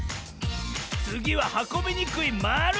つぎははこびにくいまる！